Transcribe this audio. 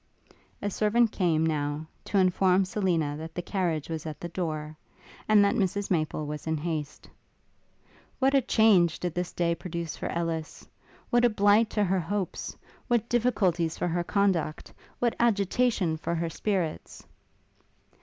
A servant came, now, to inform Selina that the carriage was at the door, and that Mrs Maple was in haste. What a change did this day produce for Ellis! What a blight to her hopes, what difficulties for her conduct, what agitation for her spirits!